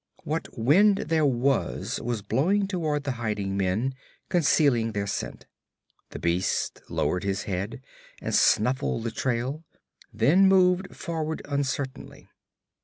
What wind there was was blowing toward the hiding men, concealing their scent. The beast lowered his head and snuffed the trail, then moved forward uncertainly.